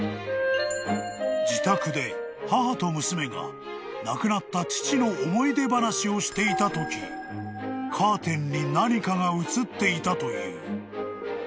［自宅で母と娘が亡くなった父の思い出話をしていたときカーテンに何かが映っていたという］